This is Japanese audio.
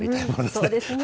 そうですね。